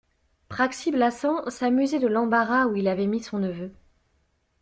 Praxi-Blassans s'amusait de l'embarras où il avait mis son neveu.